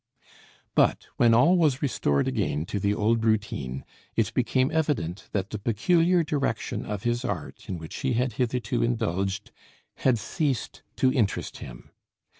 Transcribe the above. But when all was restored again to the old routine, it became evident that the peculiar direction of his art in which he had hitherto indulged had ceased to interest him.